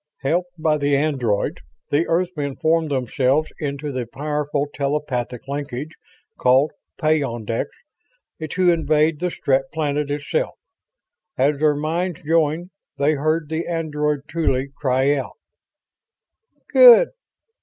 Helped by the androids, the Earthmen formed themselves into the powerful telepathic linkage called "peyondix" to invade the Strett planet itself. As their minds joined they heard the android Tuly cry out, "Good...."